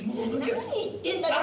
「何言ってんだい！